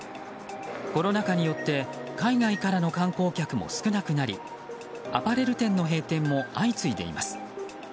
コロナ禍によって海外からの観光客も少なくなりアパレル店の閉店も相次いでいます。